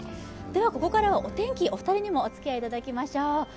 ここからはお天気、お二人にもおつきあいいただきましょう。